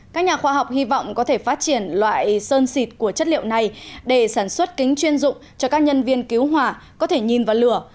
các nhà khoa học hy vọng có thể phát triển loại sơn xịt của chất liệu này để sản xuất kính chuyên dụng cho các nhân viên cứu hỏa có thể nhìn vào lửa